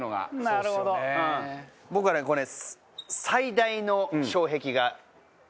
僕はねこれね。